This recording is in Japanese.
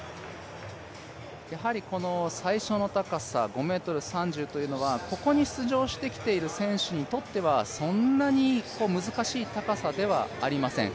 最初の高さ、５ｍ３０というのはここに出場してきている選手にとってはそんなに難しい高さではありません。